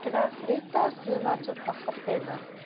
レタスはちょっとはてな。